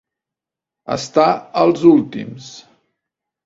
Estar als últims.